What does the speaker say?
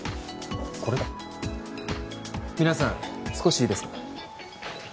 これだ皆さん少しいいですか？